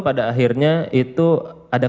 pada akhirnya itu ada